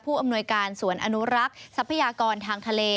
อำนวยการสวนอนุรักษ์ทรัพยากรทางทะเล